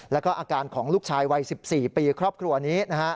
แล้วก็อาการของลูกชายวัย๑๔ปีครอบครัวนี้นะฮะ